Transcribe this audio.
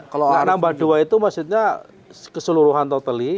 nah nambah dua itu maksudnya keseluruhan totally